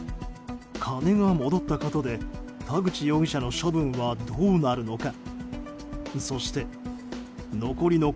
金が戻ったことで田口容疑者の処分はどうなるのか。